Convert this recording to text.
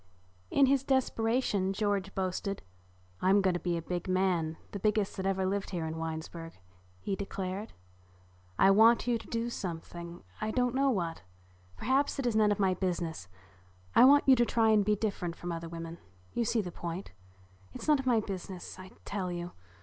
In his desperation George boasted, "I'm going to be a big man, the biggest that ever lived here in Winesburg," he declared. "I want you to do something, I don't know what. Perhaps it is none of my business. I want you to try to be different from other women. You see the point. It's none of my business I tell you.